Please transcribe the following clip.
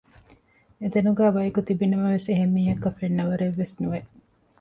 އެތަނުގައި ބަޔަކު ތިބިނަމަވެސް އެހެންމީހަކަށް ފެންނަވަރެއް ވެސް ނުވެ